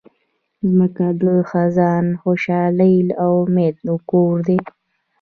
مځکه د خندا، خوشحالۍ او امید کور دی.